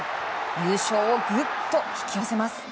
優勝をぐっと引き寄せます。